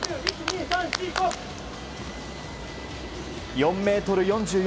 ４ｍ４４。